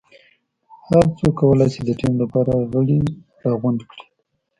هر څوک کولای شي د ټیم لپاره غړي راغونډ کړي.